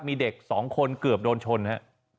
มีเด็ก๒คนเกือบโดนชนฮะ